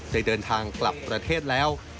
ได้เดินทางกลับประเทศแล้ว